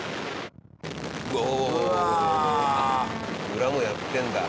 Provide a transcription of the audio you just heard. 裏もやってるんだ。